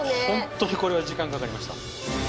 ホントにこれは時間かかりました。